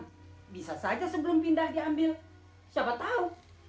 bisa saja sebelum pindah dia ambil siapa tahu